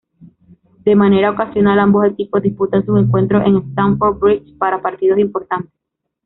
De manera ocasional, ambos equipos disputan sus encuentros en Stamford Bridge para partidos importantes.